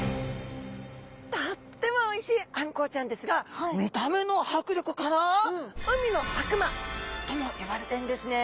とってもおいしいあんこうちゃんですが見た目のはくりょくから海の悪魔とも呼ばれてるんですね。